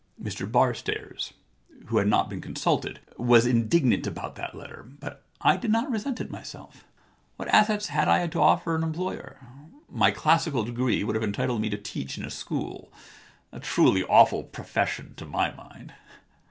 Mr Barstairs, who had not been consulted, was indignant about that letter, but I did not resent it myself. * What assets had I to offer an employer ? My classical degree would have entitled me to teach in a school — a truly awful profession to my mind.